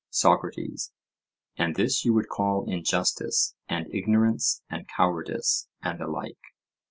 SOCRATES: And this you would call injustice and ignorance and cowardice, and the like?